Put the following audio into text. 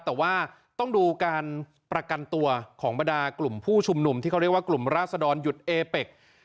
แต่ว่าต้องดูการประกันตัวของบรรดากลุ่มผู้ชุมนุมที่เขาเรียกว่ากลุ่มราศดรหยุดเอเป็ก